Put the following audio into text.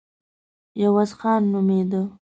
عوض خان نومېده.